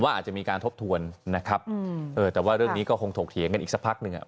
อาจจะมีการทบทวนนะครับอืมเออแต่ว่าเรื่องนี้ก็คงถกเถียงกันอีกสักพักหนึ่งอ่ะ